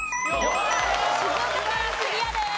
静岡県クリアです。